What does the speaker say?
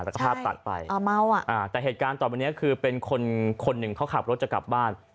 แล้วก็ภาพตัดไปแต่เหตุการณ์ต่อไปนี้คือเป็นคนหนึ่งเขาขับรถจะกลับบ้าน